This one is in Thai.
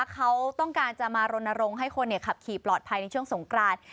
เขาต้องการจะมารณรงค์ให้คนขับขี่ปลอดภัยในช่วงสงกราน